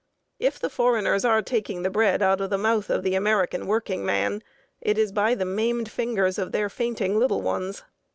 If the foreigners are taking the bread out of the mouth of the American workingman, it is by the maimed fingers of their fainting little ones.